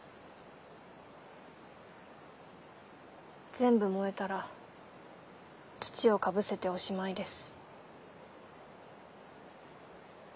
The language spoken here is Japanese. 全部燃えたら土を被せておしまいです。